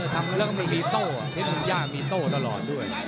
ใช่และมีโต้เพชรมือหญ้าที่มีโต้ตะรอดด้วย